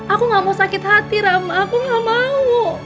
aku gak mau sakit hati rama aku gak mau